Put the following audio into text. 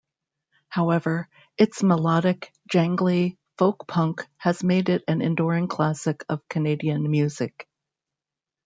However, its melodic, jangly folk-punk has made it an enduring classic of Canadian music.